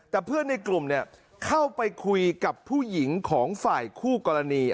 แต่เพื่อนในกลุ่มเข้าไปคุยกับผู้หญิงของฝ่ายคู่กรณี